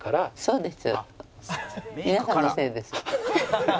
そうです。